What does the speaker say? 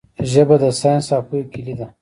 ژبه د ساینس او پوهې کیلي ده.